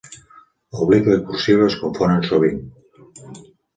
Obliqua i cursiva es confonen sovint.